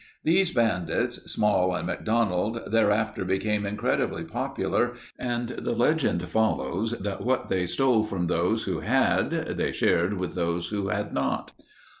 These bandits, Small and McDonald, thereafter became incredibly popular and the legend follows that what they stole from those who had, they shared with those who hadn't.